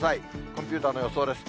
コンピューターの予想です。